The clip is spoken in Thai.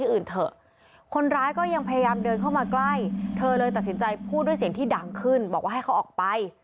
อื่นเถอะคนร้ายก็ยังพยายามเดินเข้ามาใกล้เธอเลยตัดสินใจพูดด้วยเสียงที่ดังขึ้นบอกว่าให้เขาออกไป